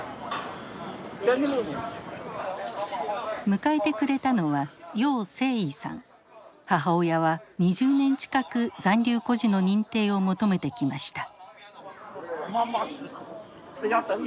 迎えてくれたのは母親は２０年近く残留孤児の認定を求めてきました。